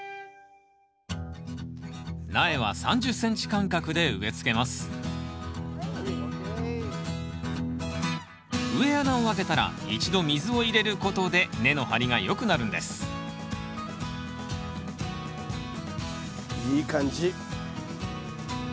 苗は３０ｃｍ間隔で植えつけます植え穴を開けたら一度水を入れることで根の張りがよくなるんですいい感じ。